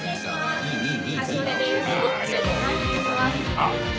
あっ！